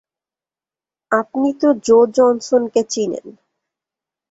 আপনি Joe Johnson কে চিনেন?